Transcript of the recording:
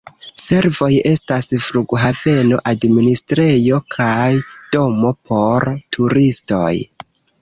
Servoj estas flughaveno, administrejo kaj domo por turistoj.